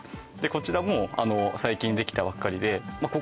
こちらも最近できたばっかりでえ